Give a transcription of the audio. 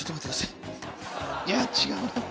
いや違うな。